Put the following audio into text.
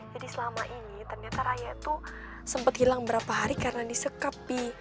jadi selama ini ternyata raya tuh sempet hilang berapa hari karena disekap pi